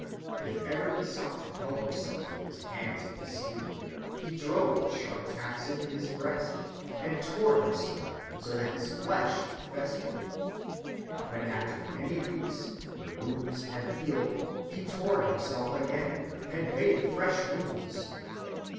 If ever he sought to help himself with his hands in his sleep, he drove the sharp tacks into his breast, and tore himself, so that his flesh festered. When after many weeks the wounds had healed, he tore himself again and made fresh wounds.